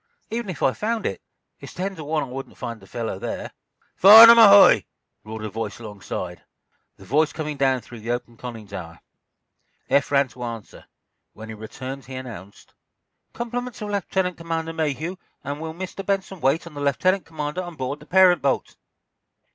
Even if I found it, it's ten to one I wouldn't find the fellow there." "'Farnum,' ahoy!" roared a voice alongside, the voice coming down through the open conning tower. Eph ran to answer. When he returned, he announced: "Compliments of Lieutenant Commander Mayhew, and will Mr. Benson wait on the lieutenant commander on board the parent boat?"